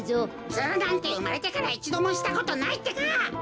ズルなんてうまれてからいちどもしたことないってか！